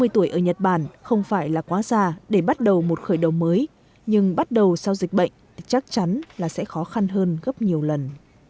ba mươi tuổi ở nhật bản không phải là quá già để bắt đầu một khởi đầu mới nhưng bắt đầu sau dịch bệnh chắc chắn là sẽ khó khăn hơn gấp nhiều lần